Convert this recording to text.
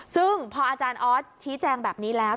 ซึ่งพออาจารย์ออสชี้แจงแบบนี้แล้ว